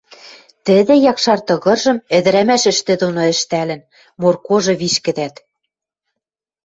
Тӹдӹ якшар тыгыржым ӹдӹрӓмӓш ӹштӹ доно ӹштӓлӹн, моркожы вишкӹдӓт